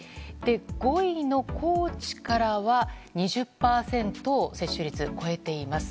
５位の高知からは２０％の接種率、超えています。